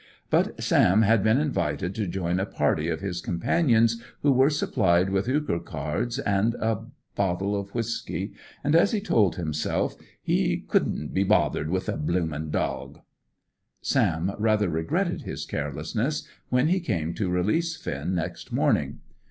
But Sam had been invited to join a party of his companions who were supplied with euchre cards and a bottle of whisky, and, as he told himself, he "couldn't be bothered with the bloomin' dawg!" Sam rather regretted his carelessness when he came to release Finn next morning.